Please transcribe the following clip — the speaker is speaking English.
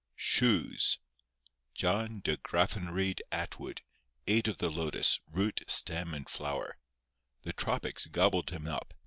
XII SHOES John De Graffenreid Atwood ate of the lotus, root, stem, and flower. The tropics gobbled him up.